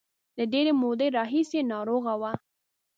له ډېرې مودې راهیسې ناروغه و.